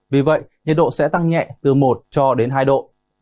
vì vậy nhiệt độ sẽ tăng nhẹ từ một cho đến hai độ